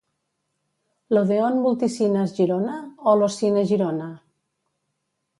L'Odeón Multicines Girona o l'Ocine Girona?